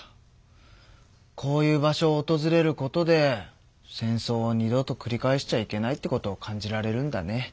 こういう場所をおとずれることで戦争を二度とくり返しちゃいけないってことを感じられるんだね。